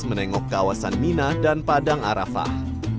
menengok kawasan mina dan padang arafah